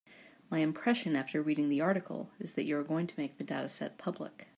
My impression after reading the article is that you are going to make the dataset public.